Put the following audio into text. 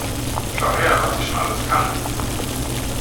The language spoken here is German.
Schau her, was ich schon alles kann!